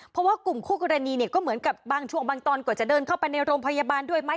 เพราะว่ากลุ่มคู่กรณีเนี่ยก็เหมือนกับบางช่วงบางตอนกว่าจะเดินเข้าไปในโรงพยาบาลด้วยไหม